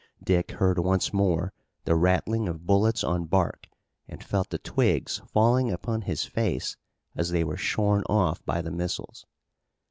Dick heard once more the rattling of bullets on bark, and felt the twigs falling upon his face as they were shorn off by the missiles.